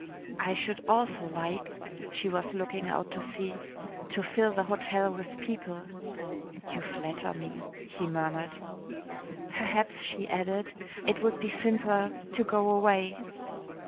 "I should also like," she was looking out to sea, "to fill the hotel with people." "You flatter me," he murmured. "Perhaps," she added, "it would be simpler to go away."